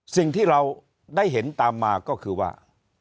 สิ่งที่เราได้เห็นตามมาก็คือว่า